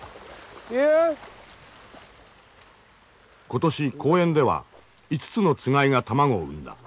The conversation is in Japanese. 今年公園では５つのつがいが卵を産んだ。